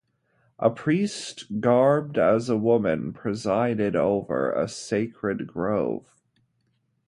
A priest garbed as a woman presided over a sacred grove.